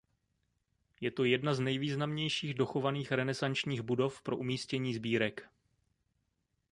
Je to jedna z nejvýznamnějších dochovaných renesančních budov pro umístění sbírek.